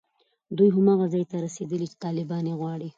دوی هماغه ځای ته رسېږي چې طالبان یې غواړي